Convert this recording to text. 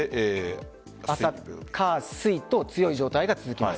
火曜日、水曜日と強い状態が続きます。